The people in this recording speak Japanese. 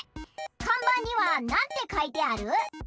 かんばんにはなんてかいてある？